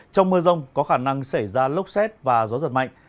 trong mưa rông có khả năng xảy ra lốc xét và gió giật mạnh